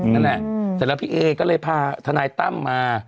นั่นแหละเสร็จแล้วพี่เอก็เลยพาทนายตั้มมา